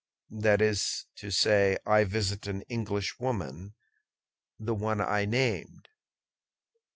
"That is to say, I visit an Englishwoman—the one I named."